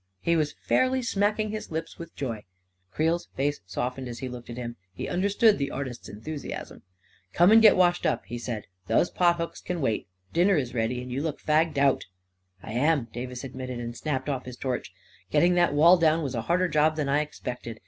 He was fairly smacking his lips with joy. Creel's face softened as he looked at him — he un derstood the artist's enthusiasm. " Come and get washed up/ 9 he said. " Those pot hooks can wait. Dinner is ready — and you look fagged out." " I am," Davis admitted, and snapped off his torch. u Getting that wall down was a harder joB than I expected.